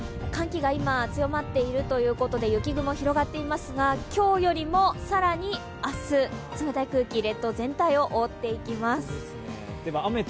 寒気が強まっているということで雪雲が広がっていますが今日よりも更に明日、冷たい空気、列島全体を覆っていきます。